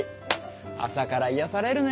朝から癒やされるね！